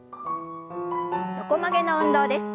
横曲げの運動です。